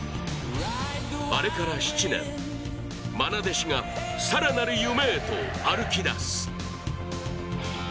あれから７年、まな弟子が更なる夢へと歩きだす。